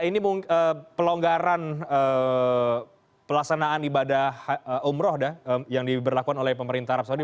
ini pelonggaran pelaksanaan ibadah umroh yang diberlakukan oleh pemerintah arab saudi